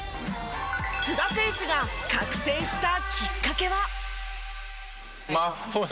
須田選手が覚醒したきっかけは。